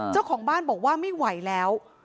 เจ้าของบ้านบอกว่าไม่ไหวแล้ว